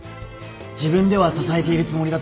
自分では支えているつもりだったけど。